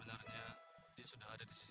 enggak ada mas